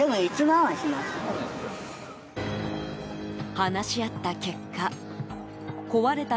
話し合った結果壊れた